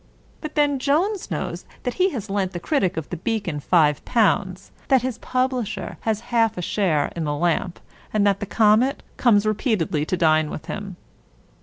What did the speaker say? But then Jones knows that he has lent the critic of the Beacon five pounds; that his publisher has a half share in the Lamp; and that the Comet comes repeatedly to dine with him.